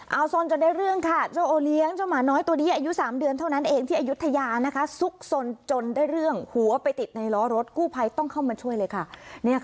เอาสนจนได้เรื่องค่ะเจ้าโอเลี้ยงเจ้าหมาน้อยตัวนี้อายุ๓เดือนเท่านั้นเองที่อายุทยานะคะซุกสนจนได้เรื่องหัวไปติดในล้อรถกู้ภัยต้องเข้ามาช่วยเลยค่ะ